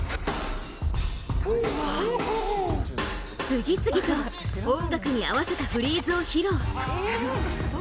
次々と音楽に合わせたフリーズを披露。